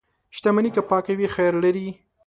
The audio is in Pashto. • شتمني که پاکه وي، خیر لري.